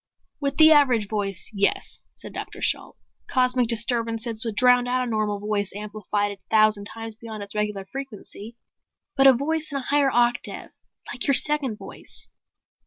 "With the average voice, yes," said Dr. Shalt. "Cosmic disturbances would drown out a normal voice amplified a thousand times beyond its regular frequency. But a voice in a higher octave like your second voice